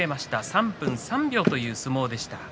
３分３秒という相撲でした。